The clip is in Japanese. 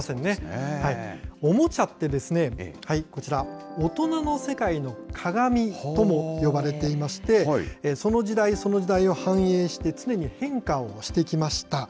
おもちゃって、こちら、大人の世界の鏡とも呼ばれていまして、その時代、その時代を反映して、常に変化をしてきました。